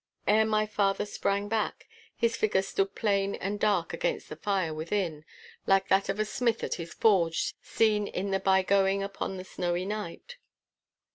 Ere my father sprang back, his figure stood plain and dark against the fire within, like that of a smith at his forge seen in the bygoing upon a snowy night.